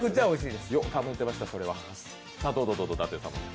おいしい！